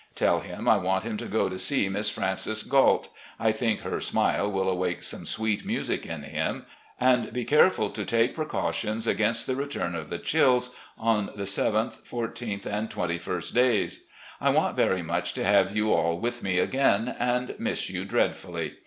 Tell him I want him to go to see Miss Francis Galt (I think her smile will awake some sweet music in him) , and be careful to take precau tions against the return of the chills, on the 7th, 14th and 2ist days. ... I want very much to have you all with me again, and miss you dreadfully.